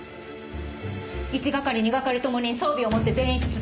１係２係ともに装備を持って全員出動。